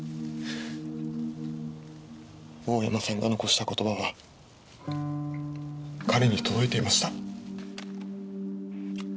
大山さんが残した言葉は彼に届いていました。